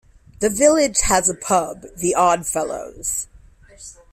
The village has a pub The Oddfellows.